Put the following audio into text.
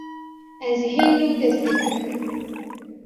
Ez hê nû dest pê dikim.